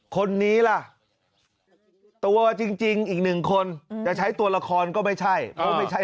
คนนี้ล่ะตัวจริงอีกหนึ่งคนจะใช้ตัวละครก็ไม่ใช่เพราะไม่ใช่